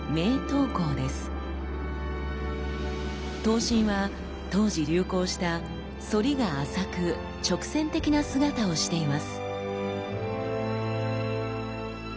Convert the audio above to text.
刀身は当時流行した反りが浅く直線的な姿をしています。